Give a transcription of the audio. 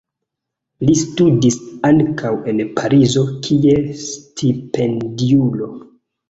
Li studis ankaŭ en Parizo kiel stipendiulo.